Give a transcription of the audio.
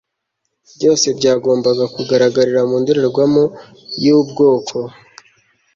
byose byagombaga kugaragarira mu ndorerwamo y'ubwoko